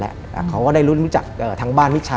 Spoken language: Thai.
และไม่เคยเข้าไปในห้องมิชชาเลยแม้แต่ครั้งเดียว